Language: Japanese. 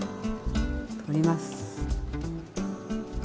取ります。